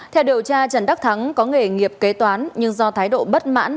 theo điều tra trần đắc thắng có nghề nghiệp kế toán nhưng do thái độ bất mãn